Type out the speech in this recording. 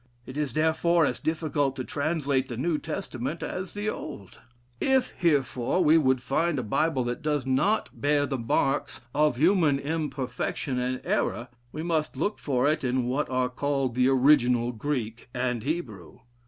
It is, therefore, as difficult to translate the New Testament as the Old. If, herefore, we would find a Bible that does not bear the marks of human imperfection and error, we must look for it in what are called the original Greek and Hebrew.